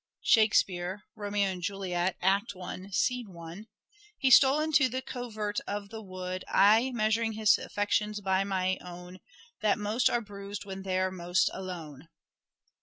Shakespeare (" Romeo and Juliet," I. i) :" He stole into the covert of the wood I, measuring his affections by my own, That most are busied when they're most alone."